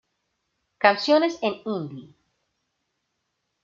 Canciones en Hindi.